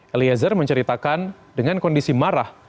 eliezer menceritakan dengan kondisi marah